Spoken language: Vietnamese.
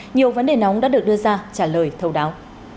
nhiều vấn đề nóng đã được đưa ra trả lời thấu đáo